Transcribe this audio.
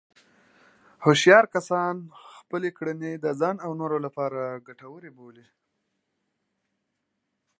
هوښیار کسان خپلې کړنې د ځان او نورو لپاره ګټورې وي.